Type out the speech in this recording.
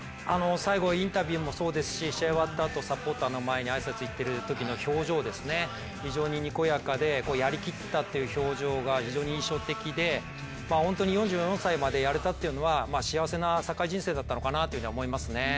最後、インタビューもそうですし、試合終わったあと、サポーターの前に挨拶に行っているときの表情、非常ににこやかでやりきったという表情が非常に印象的で、本当に４４歳までやれたっていうのは、幸せなサッカー人生だったのかなと思いますね。